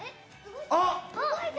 あっ！